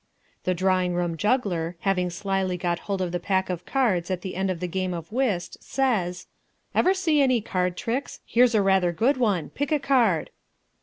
The drawing room juggler, having slyly got hold of the pack of cards at the end of the game of whist, says: "Ever see any card tricks? Here's rather a good one; pick a card."